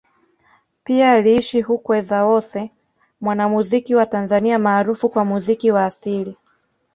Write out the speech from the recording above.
Pia aliishi Hukwe Zawose mwanamuziki wa Tanzania maarufu kwa muziki wa asili